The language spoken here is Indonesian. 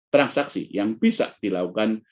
transaksi yang bisa dilakukan